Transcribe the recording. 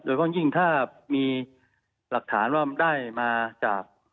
เพราะยิ่งถ้ามีหลักฐานว่าได้มาจาก